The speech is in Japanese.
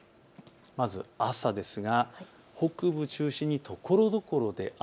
まず朝ですが北部中心にところどころで雨。